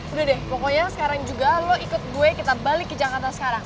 udah deh pokoknya sekarang juga lo ikut gue kita balik ke jakarta sekarang